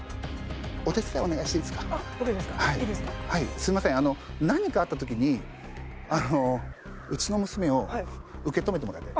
すいません何かあった時にうちの娘を受け止めてもらいたいんです。